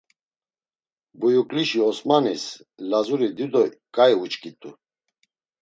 Buyuklişi Osmanis Lazuri dido ǩai uçkit̆u.